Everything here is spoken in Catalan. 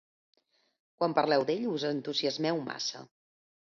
Quan parleu d'ell us entusiasmeu massa.